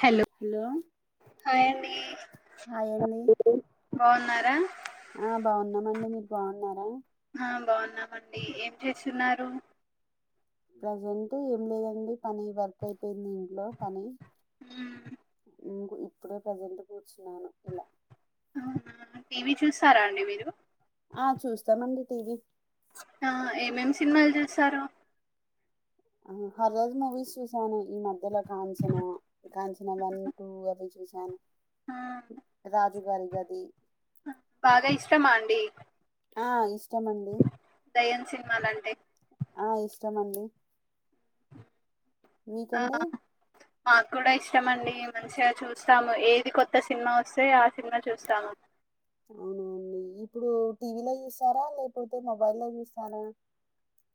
Hello hi అండి hi అండి బాన్నారా ఆ బావున్నామండి మీరు బాన్నారా ఆ బావున్నామండి ఏం చేస్తున్నారు ప్రజెంట్ ఏం లేదండి పని వర్క్ అయిపోయింది ఇంట్లో పని ఉమ్ ఉమ్ ఇప్పుడే ప్రజెంట్ కూర్చున్నాను ఇలా అవునా టీవీ చూసరా అండి మీరు ఆ చూస్తామండి టీవీ ఆ ఏమేమి సినిమాలు చూస్తారు ఉమ్ హరర్ మూవీస్ చూసనో ఈ మధ్యలో కాంచనా కాంచనా వన్ టూ అవి చూసాను ఆ రాజుగారి గది బాగా ఆ ఇస్ దయం సినిమాలంటే ఆ ఇష్టమండి మీ ఆ కండి మాకు కూడా ఇష్టమండి మంచిగా చూస్తాము ఏది కొత్త సినిమా వస్తే ఆ సినిమా చూస్తాము అవునండి ఇప్పుడు టీవీలో చూస్తారా లేకపోతే మొబైల్లో చూస్తారా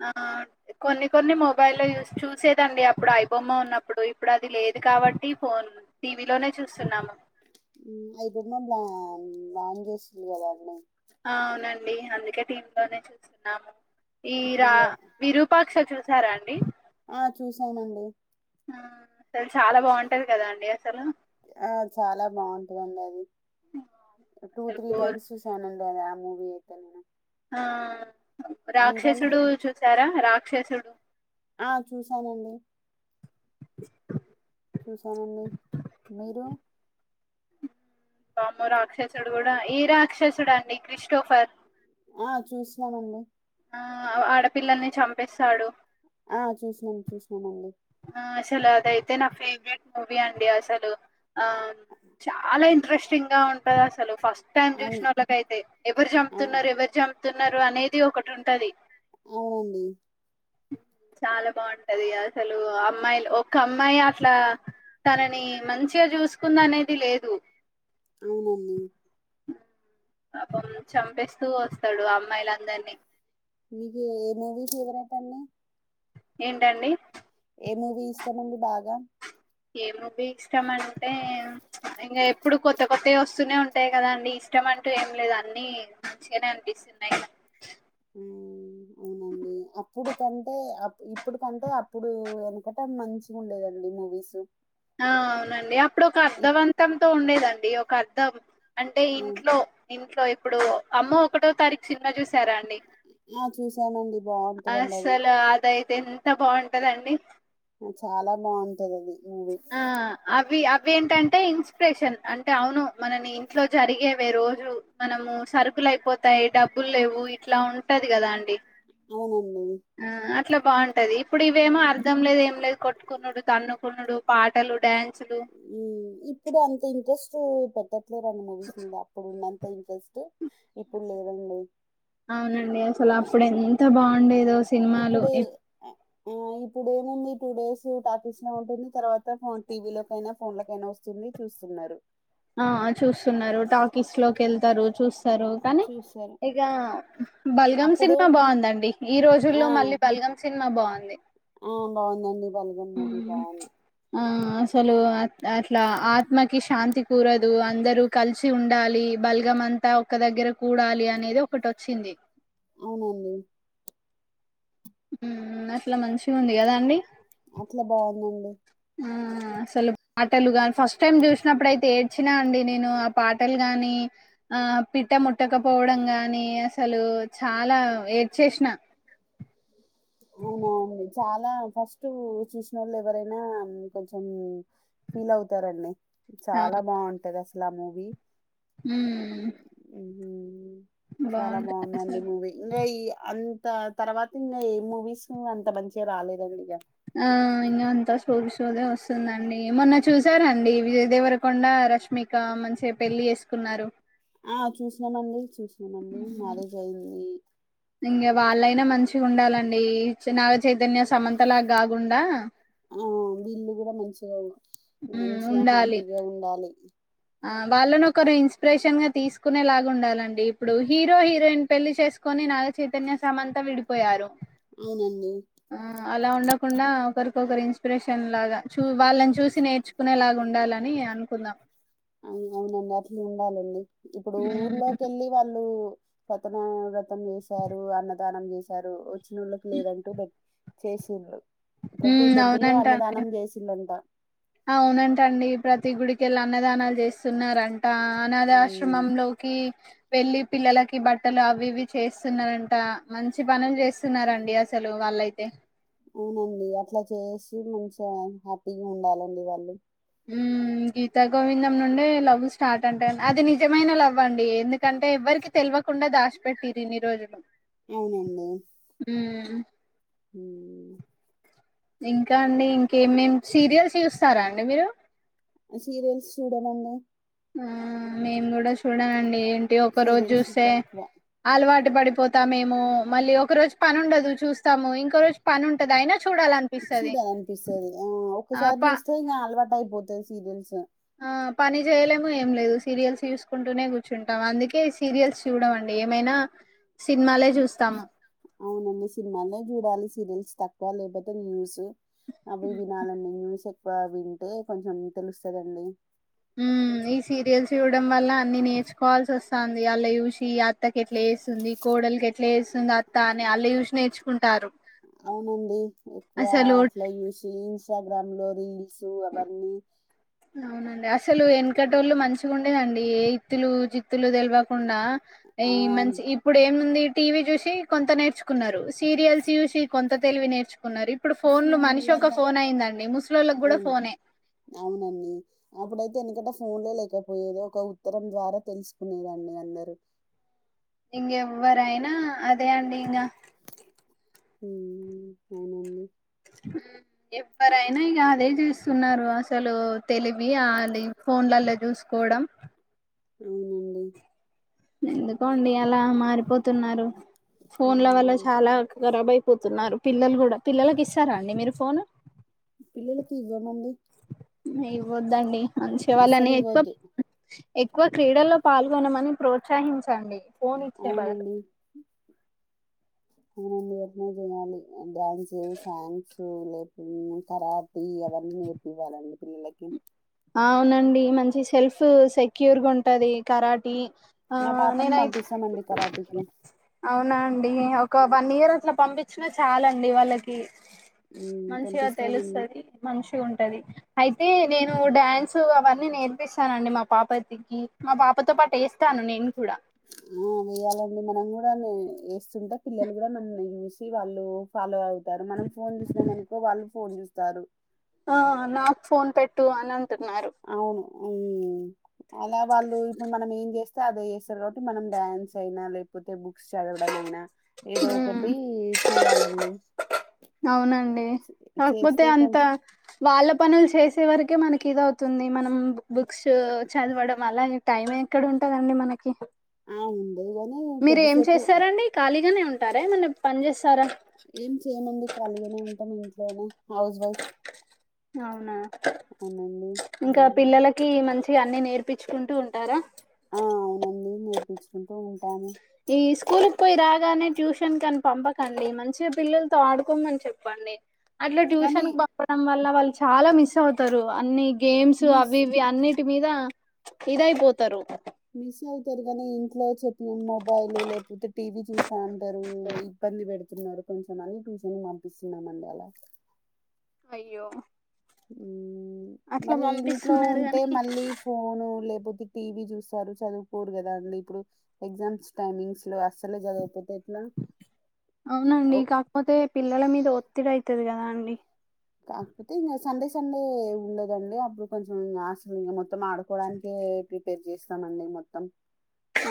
ఆ కొన్ని కొన్ని మొబైల్ లో చూస్ చూసేదండి అప్పుడు ఐబొమ్మ ఉన్నప్పుడు ఇప్పుడు అది లేదు ఇది కాబట్టి ఫోన్ టీవీ లోనే చూస్తున్నాము హ్మ్ అది ప్రెగ్నెంట్ లా [unintelligible] చేసింది కదా అవునండి అందుకే టీమ్ లోనే చూస్తున్నాము వీర ఇప్పుడు ఇంగా విరూపాక్ష చూసారా అండి ఆ చూసానండి తెల్ సాలా బాంటది కదా అండి అసలు ఆ! చాలా [unintelligible] అది టూ అసలు త్రీ బోర్ టైమ్స్ చూసానండి అది ఆ మూవీ అయితే నేను ఆ మీరండి? రాక్షసుడు చూసారా రాక్షసుడు ఆ చూశానండి చూశానండి మీరు పామూ రాక్షసుడు కూడా ఈ రాక్షసుడండి క్రిస్టోఫర్ ఆ చూసినానండి ఆ ఆడపిల్లల్ని చంపేస్తాడు ఆ చూసినాం చూసినానండి ఆ అసలు అదయితే నా ఫేవరెట్ మూవీ అండి అసలు ఆ చాలా ఇంట్రెస్టింగ్ గా ఉంటది అసలు ఫస్ట్ టైం చూసిన అవును. వాళ్ళకైతే ఎవరు అవును. చంపుతున్నారు ఎవరు చం తున్నారు అనేది ఒకటి ఉంటది అవునండి చాలా బాంటది అసలు అమ్మాయిలు ఒక్క అమ్మాయి అట్లా తనని మంచిగా చూసుకుందనేది లేదు అవునండి పాపం చంపేస్తూ వస్తాడు అమ్మాయిలందరినీ మీకీ ఏ మూవీ ఫేవరెట్ అండి ఏంటండి ఏ మూవీ ఇష్టమండి బాగా ఏమూవి ఇష్టం అంటే ఇంకా ఎప్పుడు కొత్త కొత్తవి వస్తూనే ఉంటాయి కదా అండి ఇష్టం అంటూ ఏం లేదు అన్ని మంచిగానే అనిపిస్తున్నాయి కదా హ్మ్. అవునండి అప్పుడు కంటే అప్ ఇప్పుడుకంటే అప్పుడు వెనకట మంచి గుండేదండి మూవీసు ఆ అవునండి అప్పుడు ఒక ఇప్ అర్ధవంతంతో ఉండేదండి ఒక అర్ధం అంటే అవును. ఇంట్లో ఇంట్లో ఇప్పుడు అమ్మో ఒకటో తారీఖు సినిమా చూస్ సారాఅండి ఆ! చూసానండి. బావుంటదండది. అసల అదయి ఎంత బాంటదండి ఆ చాలా బాంటదది ఇవేంటంటే ఇన్స్పిరేషన్ అంటే అవును మనని ఇంట్లో జరిగేవే రోజు మనము సరుకుల్ అయిపోతాయి డబ్బులు లేవు ఇట్లా ఉంటది కదా అండి అవునండి ఆ అట్లా బాంటది ఇప్పుడు ఇవేమో అర్థం లేదు ఏం లేదు కొట్టుకునుడు తన్నుకునుడు పాటలు డ్యాన్ ఊ ఇప్పుడు అంత ఇంట్రెస్టు పెట్టట్లేరండి మూవీస్ మీద అప్పుడు ఉన్నం ఇంట్రెస్టు అవునండి అసలప్పుడు ఎంత బాండే దో సినిమాలు ఇప్పుడు ఇప్ ఏ- ఆ ఇప్పుడేముంది టూ డేస్ ప్రాటీస్ లో ఉంటది తర్వాత ఫోన్ టీవీ లోకైనా ఫోన్లకైనా వస్తు స్తుంది చూస్తున్నారు ఆ చూస్తున్నారు టాకీస్ లోకెళ్తారు చూస్తారు ఆ, కానీ చూస్తారు ఇగ బల్గమ్ అప్పుడు సినిమా బాందండి ఈ ఆ రోజుల్లో మళ్ళీ బల్గమ్ సినిమా బాగుంది ఆ బాందండి హ్మ్ ఆ అసలు అ అట్లా ఆత్మ కి శాంతి కూరదు అందరూ కలిసి ఉండాలి బల్గం అంతా ఒక్క దగ్గర కూడాలి అనేది ఒకటోచ్చింది అవునండి. మ్ అట్ల మంచిగుంది కదాండి. అట్ల బాగుందండి. అసలు పాటలు గాని ఫస్ట్ టైం చూసినప్పుడయితే ఏడ్చినా అండి నేను ఆ పాటలు గాని ఆ పిట్ట ముట్టకపోవడం గాని అసలు చాలా ఏడ్చేష్న అవునాండి. చాలా ఫస్ట్ చూసినోళ్ళు ఎవరైనా కొంచెం ఫీలవుతారండి. చాలా బాగుంటదసలు ఆ మూవీ హ్మ్ మ్. చాలా బాగుందండి అసలు మూవీ ఇంగా ఈ అం త తర్వాత ఇంగ ఏ మూవీస్ అంత మంచిగ రాలేదండి. ఇక ఆ ఇంగ అంత సోది సోదే వస్త వస్తుందండి. మొన్న చూసారా అండి విజయ దేవరకొండ రష్మిక మంచిగ పెళ్లి చేసుకున్నారు. ఆ చూస్నమండి చూస్నమండి. మ్యారేజ్ అయ్యింది. ఇంగ వాళ్ళైనా మంచి గుండాలండి. నాగ చైతన్య సమంత లాగ్కాకుండా ఆ వీళ్ళు కూడా మంచిగా మ్మ్ మంచిగా ఉండాలి హ్యాపీగా ఉండాలి. ఆ వాళ్ళనోకరు ఇన్స్పిరేషన్గా తీసుకునే లాగా ఉండాలండి ఇప్పుడు హీరో హీరోయిన్ పెళ్లి చేసుకో ని నాగ చైతన్య సమంత విడిపోయారు. అవునండి ఆ అలా ఉండకుండా ఒకరి కొకరు ఇన్స్పిరేషన్ లాగా చూ వాళ్ళని చూసి నేర్చుకునే లాగుండాలని అనుకుందాం. అవునవునండి. అట్లుండాలండి ఇప్పుడు మ్మ్ ఊర్లో కెళ్ళి వాళ్ళు సత్య నారాయణ వ్రతం చేశారు. అన్నదానం చేశారు. వచ్చినోళ్ళకి లేదంటూ బెట్ చేసిండ్రు. ప్రతి ఉమ్ టెంపుల్లో అవునంట అండి అన్నదానం చేసిండంట అవునంటండి. ప్రతి గుడికెళ్ళి అన్నదానాలు చేస్తున్నార ంట. ఆ హ్మ్. అనాథాశ్రమంలోకి వెళ్ళి పిల్లలకి బట్టలు అవి ఇవి చేస్తున్నరంట. మంచి పనులు చేస్తున్నారండి అసలు వా వాళ్ళైతే అవునండి అట్లా చేసి మంచిగా హ్యాపీగా ఉండాలండి వాళ్ళు ఉమ్ గీతా గోవిందం నుండే లవ్ స్టార్ట్ అంటా అది నిజమైన లవ్వండి ఎందుకంటే ఎవ్వరికి తెల్వ కుండ దాశి పెట్టిర్రిన్నిరోజులు. అవునండి. మ్మ్. హ్మ్ ఇంకా అండి. ఇంకేమేమ్ సీరియల్స్ చూస్తారా అండి మీరు సీరియల్స్ చూడనండి. ఆ మేమ్ కూడా చూడనండి. ఏంటి ఒక రోజు సీరియల్స్ చూస్తే తక్కువ. అలవాట్ టు పడిపోతామేమో మళ్ళీ ఒక రోజు పనుండదు చూస్తాము ఇంకో రోజు పనుం చూడాలనిపిస్తది. ఆ ఆ ఒక్కసారి ప చూస్తే ఇంగా అలవాటైపోతది సీరియల్స్ అ పని చేయలేము ఏం లేదు సీరియల్స్ చూసుకుంటూనే కూర్చుంటాము. అందుకే సీరియల్స్ చూడమండి ఏమైనా సిన్మాలే చూస్తాము. అవునండి. సినిమాల్నే చూడాలి సీరియల్స్ తక్కువ లేకపోతే న్యూస్ అవి వినాలండి. న్యూస్ ఎక్కువ వింటే కొంచెం తెలుస్తదండి. మ్మ్. మ్ ఈ సీరియల్స్ చూడ్డం వల్ల అన్ని నేర్చుకోవాల్సి వస్తాంది. ఆళ్ల చూసి అత్త కెట్లా చేస్తుంది. కో కోడలికెట్ల చేస్తుందో అత్త అని అళ్ళు చూసి నేర్చుకుంటారు. అవునండి ఎక్కువ అసలు అట్ల చూసి ఇన్స్టాగ్రామ్లో రీల్ స్ అవన్నీ అవునండి. అసలు వెనకటోళ్ళు మంచి గుండేదండి. ఏ ఇత్తులు జిత్తులు తెల్వకుండా ఈ ఆ మంచి ఇప్పుడేముంది టీవీ చూసి కొంత నేర్చుకున్నారు. సీరియల్స్ చూసి కొంత తెలివి నేర్చుకున్నారు. ఇప్పుడు ఫోన్లు మనిషి ఒక ఫోన్లలో ఫోనయిందండి ముసలోళ్ళకి కూడా అవును ఫోనే అవునండి అప్పుడైతే ఎందుకంటే ఫోన్లే లేకపోయేది. ఒక ఉత్తరం ద్వారా తెలుసుకునేదాన్ని అందరూ. ఇం వరయినా అదేడింగ అవునండి ఎవరైనా ఇక అదే చూస్తున్నారు అసలు తెలివి అది ఫోన్లలో చూసుకోవడం అవునండి ఎందుకోండి అలా మారిపోతున్నారు ఫోన్ల వల్ల ఉమ్, చాలా గరాబ అయిపోతున్నారు పిల్లలు కూడా పిల్లలకి ఇస్తారా అండి మీరు ఫోన్ పిల్లలకి ఇవమంది ఇవద్దండి అంచే వాళ్ళని అస్సలు ఎక్కువ ఇవ్వద్దు ఎక్కువ క్రీడల్లో పాల్గొనమని ప్రోత్సహించండి ఫోన్ ఇచ్చే బదులు అ ఎందుాలి న్స్ సాంగ్స్ కరాీ నేర్పివాలండి పిల్లలకి అ అవునండి మంచి సెల్ఫ్ సెక్యూర్గా ఉంటుంది కరాటీ ఆ నా భప నేనైతే మబ్బీ సంబంధి కాదు అవునా అండి ఒక వన్ ఇయర్ అట్లా పంపించినా చాలండి వాళ్ళకి ఉమ్, మంచిగా పంపిస్తామండి తెలుస్తుది మంచి ఉంటది అయితే నేను ఫ్యాన్స్ అవన్నీ నేర్పిస్తానండి మా పాప దకి మా పాపతో పాటు వేస్తాను నేను కూడా ఆ వేయాలండి మనం కూడా వేస్తుంటే పిల్లలు కూడా మన చూసి వాళ్ళు ఫాలో అవుత మనం ఫోన్ చూసినామనుకో వాళ్ళు ఫోన్ చూస్తారు ఆ నాకు ఫోన్ పెట్టు అని అంటున్నారు అవును అలా వాళ్ళు ఇప్పుడు మనం ఏం చేస్తే అదే చేస్తారు కాబట్టి మనం డ్యాన్స్ అయినా లేకపోతే చదవడంమయినా ఏదో ఉమ్ ఒకటి చెయాలండి అవునండి కాకపోతే చేస్తే కొంచెం అంత వాళ్ళ పనులు చేసేవరకి అే మనకి ఇది అవుతుంది మనం బుక్స్ చదవడం అలా టైం ఎక్కడ ఉంటదండి మనకి ఆ ఉంది గాని మీరు ఏం కొద్దిసేపు చేస్తారంండి ఖాళీగానే ఉంటారే మన పని చేస్తారా ఏం చేయమండి తలిగానే ఉంటాం ఇంట్లోనే హౌస్ వైఫ్ అవునా అవునండి ఇంకా ఉమ్. పిల్లలకి మంచి అన్ని నేర్పించుకుంటూ ఉంటారా ఆ అవునండి నేర్పించుకుంటూ ఉంటాము ఈ స్కూల్ ఎకుయి రాగానే ట్యూషన్ క అని పంపకండి మంచిగా పిల్లలతో ఆడుకోమని చెప్పండి అట్లా కానీ ట్యూషన్ క పంపడం వల్ల వాళ్ళు చాలా మిస్ అవుతారు అన్ని గేమ్స్ మిస్ అవి ఇవి అన్ని మీద ఇదయిపోతారు మిస్ అవుతారు నీ ఇంట్లో చెప్పిన మొబైల్ లేకపోతే టీవీ చూస్తా అరు ఇబ్బంది పెడుతున్నారు కొంచెం అని ట్యూషన్ పంపిస్తున్నామ అండి అలా అయ్యో అట్లా మరి ఇంట్లో పంపిస్తున్నారు ఉంటే గాని మళ్ళీ ఫోను లేపోతే టీవీ చూస్తారు చదువుకోరు కదా అండి ఇప్పుడు ఎగ్జామ్స్ టైమింగ్స్ లో అస్సలే చదువుపోతే అవునండి కాకపోతే పిల్లల మీద ఒత్తిడి అయితది కదా అండి కాకపోతే ఇ సండే సండే ఉండదండి అప్పుడు కొంచెం ఆశ మొత్తం మొత్తం ఆడుకోవడానికి ప్రిపేర్ చేస్తామండి మొత్తం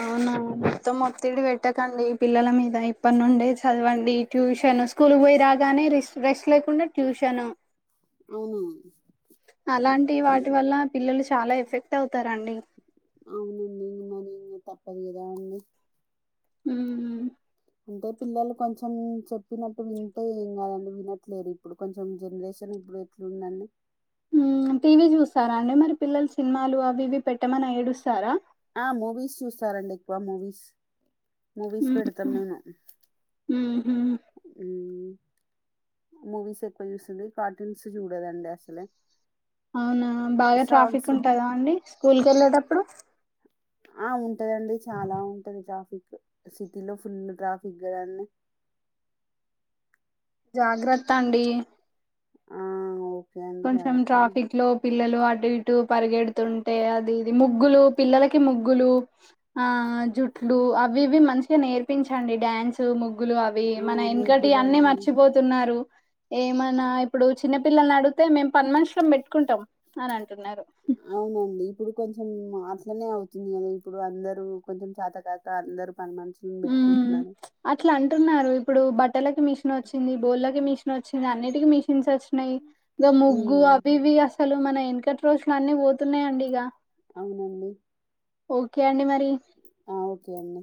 అవునా మొత్తం ఓత్తిడి పెట్టకండి పిల్లల మీద ఇప్పటి నుండే చదవండి ట్యూషన్ స్కూల్ పోయి రాగానే రెస్ట్ లేకుండా ట్యూషను అవును వాటి వల్ల పిల్లలు చాలా ఎఫెక్ట్ అవుతారండి అవునుండి ఇ మరి ఇ తప్పదు కాదాండి హ్మ్మ్ అంటే పిల్లలు కొంచెం చెప్పినట్టు వింటే ఏం కాదండి వినట్లేదు ఇప్పుడు కొంచెం జనరేషన్ ఇప్పుడు ఎట్లుందండి ఉ టీవీ చూస్తారా అండి మరి పిల్లలు సినిమాలు అవి ఇవి పెట్టమని ఏడుస్తారా ఆ మూవీస్ చూస్తారండి ఎక్కువ మూవీస్ మూవీస్ ఉమ్ పెడుతనేను ఉహు హ్మ్మ్ మూవీస్ ఎక్కువ చూస్తుంది కార్టూన్స్ చూడదండి అసలే అవునా బాగా ట్రాఫిక్ సాంగ్స్ ఉంటదా అండి స్కూల్ కు వెళ్ళేటప్పుడు ఆ ఆ ఉంటాదండి చాలా ఉంటది ట్రాఫిక్ సిటీలో ఫుల్ ట్రాఫిక్ కదండి [inaudible] జాగ్రత్త అండి ఆఓ కొంచెం ట్రాఫిక్ లో పిల్లలు అట్ అటు ఇటు పరిగెడుతుంటే అది ఇది ముగ్గులు పిల్లలకి ముగ్గులు ఆ జుట్ డు అవి ఇవి మంచిగా నేర్పించండి డ్యాన్సు ముగ్ గ్గులు అవి ఆ! మన ఎన్కటి అన్ని నేర్పివ్వాలండి. మర్చిపోతున్నారు ఏమన్నా ఇప్పుడు చిన్నపిల్లలను అడుగు అంటున్నారు అవునండి ఇప్పుడు కొంచెం ఉన్న అట్లనే అవుతుంది ఇగ నీ ఇప్పుడు అందరు కొంచెం చాతకాక అందరు పని మనుషులను పెట్టుకుంటున్నాను టున్నారు ఇప్పుడు బట్టలకి మిషన్ వచ్చింది బొల్లా కి మిషన్ వచ్చింది అన్నిటికి మిష్ ఇన్స్ వచ్చినయి ఇక ముగ్గు హ్మ్. అవి ఇవి అసలు మన వెనకటి రోజులు అన్ని పోతున్నాయిండి ఇగ అవునండి ఓకే అండి మరి ఆ ఓకే అండి